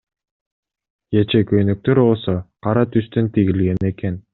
Кече көйнөктөр болсо, кара түстөн тигилген экен.